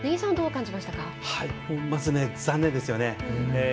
まず残念ですね。